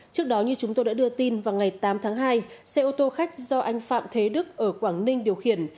trước đó như chúng tôi đã đưa tin vào ngày tám tháng hai xe ô tô khách do anh phạm thế đức ở quảng ninh điều khiển